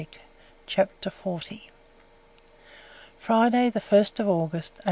CHAPTER XL Friday, the first of August, 1834.